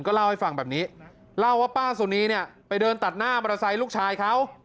เล่าให้ฟังแบบนี้เล่าว่าป้าสุนีเนี่ยไปเดินตัดหน้ามอเตอร์ไซค์ลูกชายเขา